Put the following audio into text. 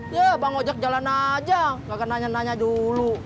ya bang ojek jalan aja gak akan nanya nanya dulu